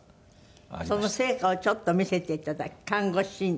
その成果をちょっと見せて頂き看護シーン。